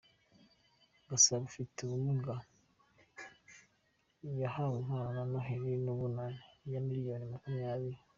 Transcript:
Gasabo Ufite ubumuga yahawe impano ya Noheli n’Ubunani ya miliyoni makumyabiri